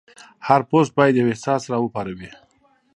هر پوسټ باید یو احساس راوپاروي.